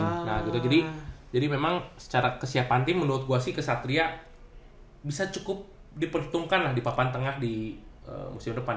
nah gitu jadi memang secara kesiapan tim menurut gue sih kesatria bisa cukup diperhitungkan lah di papan tengah di musim depan